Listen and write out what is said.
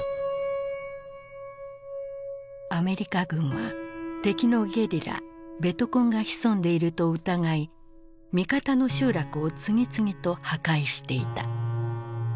アメリカ軍は敵のゲリラ「ベトコン」が潜んでいると疑い味方の集落を次々と破壊していた。